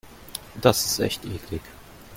Das ist echt eklig.